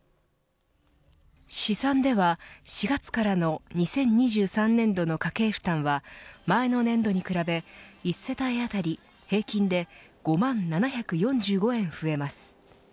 試算では４月からの２０２３年度の家計負担は前の年度に比べ１世帯当たり平均で５万７４５円増えます。